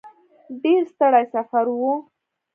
ډېر ستړی سفر و.